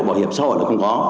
bảo hiệp so ở là không có